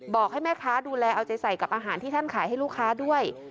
บอกให้แม่ค้าดูแลเอาใจใส่กับอาหารที่ท่านขายให้ลูกค้าด้วย